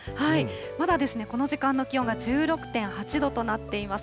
まだこの時間の気温が１６．８度となっています。